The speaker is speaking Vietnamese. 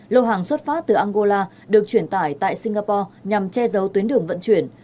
lầu hàng xuất phát từ angola được chuyển tải tại singapore nhằm che giấu tuyến đường vận chuyển